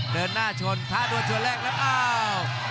เดินหน้าชนทะดูดชั่วแรกและอ้าว